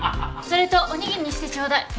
それとおにぎりにしてちょうだい。